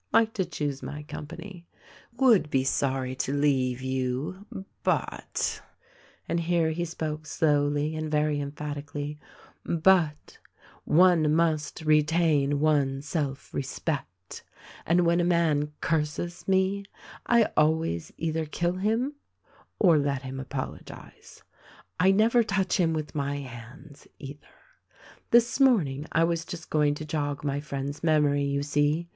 Like to choose my company. Would be sorry to leave you, but " and here he spoke slowly and very emphatically — "but one must retain one's self respect, and when a man curses me I always either kill him or let him apologize :/ never touch him with my hands, either. This morning, I was just going to jog my friend's memory, you see.